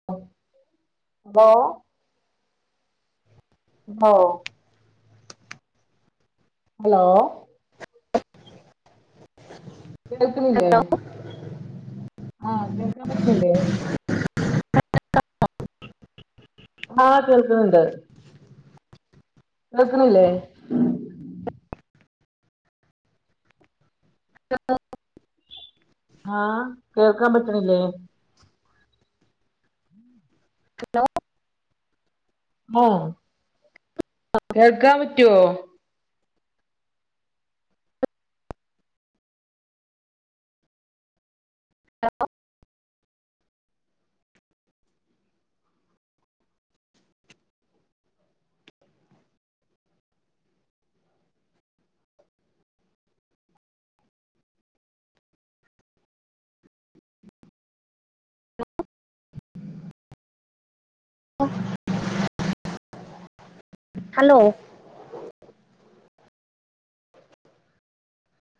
[unintelligible] മ്മോ. Hello കേൾക്ക്ണില്ലേ? Hello ആഹ് കേൾക്കാം പറ്റ്ണില്ലേ? ആഹ് കേൾക്ക്ണ് ണ്ട്. കേൾക്ക്ണില്ലേ? ഹലോ. ആഹാ കേൾക്കാം പറ്റ്ണില്ലേ? ഹലോ ഹലോ കേൾക്കാ പറ്റോ? Hello [unintelligible] hello.